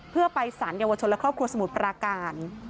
เพื่อไปสารเยาวชนและครอบครัวสมุทรปราการ